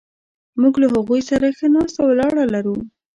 موږ له هغوی سره ښه ناسته ولاړه لرو.